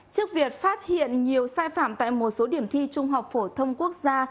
trước việc phát hiện nhiều sai phạm tại một số điểm thi trung học phổ thông quốc gia